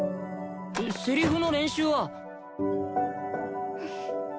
セリフの練習は？